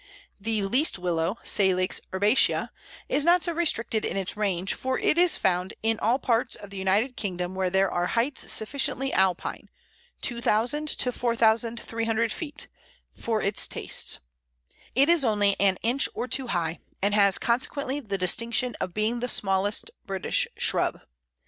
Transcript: The Least Willow (Salix herbacea) is not so restricted in its range, for it is found in all parts of the United Kingdom where there are heights sufficiently Alpine (2000 to 4300 feet) for its tastes. It is only an inch or two high, and has consequently the distinction of being the smallest British shrub.